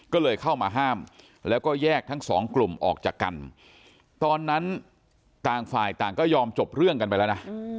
ก็เลยเข้ามาห้ามแล้วก็แยกทั้งสองกลุ่มออกจากกันตอนนั้นต่างฝ่ายต่างก็ยอมจบเรื่องกันไปแล้วนะ